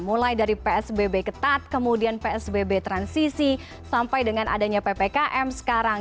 mulai dari psbb ketat kemudian psbb transisi sampai dengan adanya ppkm sekarang